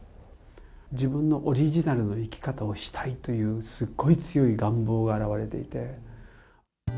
自分のオリジナルの生き方をしたいという、すごい強い願望が表れていて。